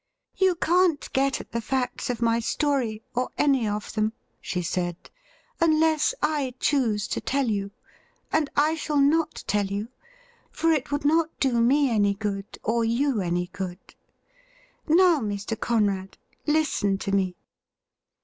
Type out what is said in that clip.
' You can't get at the facts of my story, or any of them,' she said, ' unless I choose to tell you ; and I shall not tell you, for it would not do me any good or you any good. Now, Mr. Conrad, listen to me.